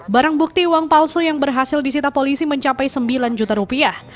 barang bukti uang palsu yang berhasil disita polisi mencapai sembilan juta rupiah